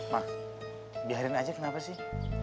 makh biarin aja kenapa sih